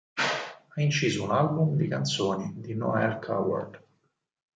Ha inciso un album di canzoni di Noël Coward.